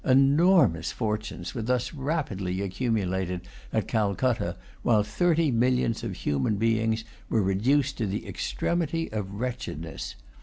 Enormous fortunes were thus rapidly accumulated at Calcutta, while thirty millions of human beings were reduced to the extremity of wretchedness.